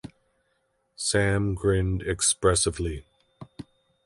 Sam grinned expressively.